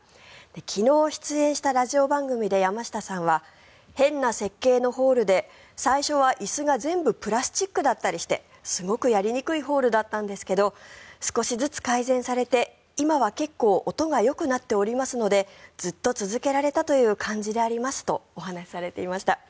昨日、出演したラジオ番組で山下さんは変な設計のホールで最初は椅子が全部プラスチックだったりしてすごくやりにくいホールだったんですけど少しずつ改善されて、今は結構音がよくなっておりますのでずっと続けられたという感じでありますとお話しされていました。